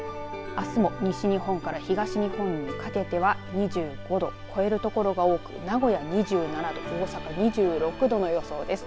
あすも西日本から東日本にかけては２５度を超える所が多く名古屋は２７度大阪２６度の予想です。